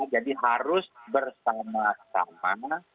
jadi harus bersama sama